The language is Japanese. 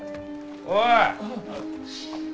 おい！